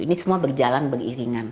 ini semua berjalan beriringan